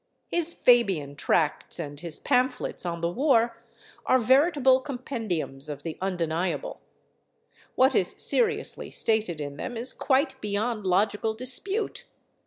His Fabian tracts and his pamphlets on the war are veritable compendiums of the undeniable; what is seriously stated in them is quite beyond logical dispute.